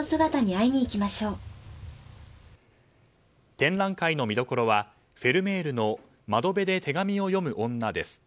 展覧会の見どころはフェルメールの「窓辺で手紙を読む女」です。